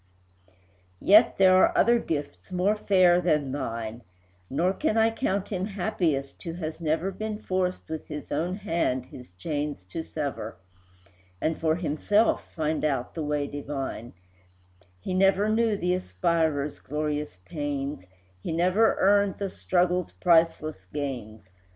II. Yet are there other gifts more fair than thine, Nor can I count him happiest who has never Been forced with his own hand his chains to sever, And for himself find out the way divine; He never knew the aspirer's glorious pains, He never earned the struggle's priceless gains.